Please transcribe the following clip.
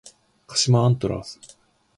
鹿島アントラーズ